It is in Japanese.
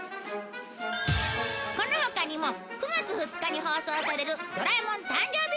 この他にも９月２日に放送される『ドラえもん』誕生日